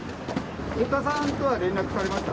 太田さんとは連絡されました？